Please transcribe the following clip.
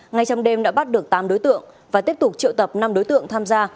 ngay trong đêm đã bắt được tám đối tượng và tiếp tục triệu tập năm đối tượng tham gia